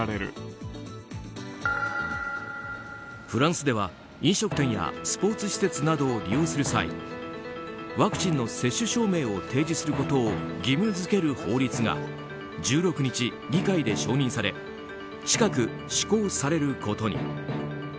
フランスでは、飲食店やスポーツ施設などを利用する際ワクチンの接種証明を提示することを義務付ける法律が１６日、議会で承認され近く施行されることに。